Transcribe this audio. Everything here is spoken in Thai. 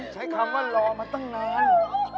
ใช้คำว่ารอมาตั้งนาน